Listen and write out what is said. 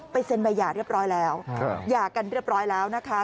เซ็นใบหย่าเรียบร้อยแล้วหย่ากันเรียบร้อยแล้วนะคะ